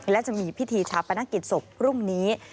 และจะมีพิธีชาปนกิจศพพรุ่งนี้